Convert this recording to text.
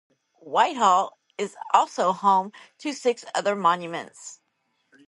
Whitehall is also home to six other monuments.